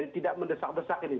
tidak mendesak desak ini